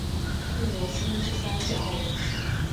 另有四分之三降号表示。